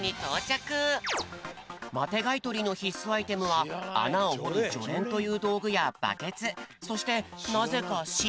マテがいとりのひっすアイテムはあなをほるじょれんというどうぐやバケツそしてなぜかしお。